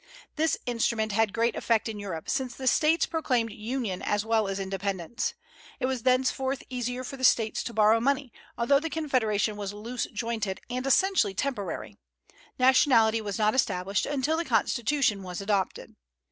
This instrument had great effect in Europe, since the States proclaimed union as well as independence. It was thenceforward easier for the States to borrow money, although the Confederation was loose jointed and essentially temporary; nationality was not established until the Constitution was adopted.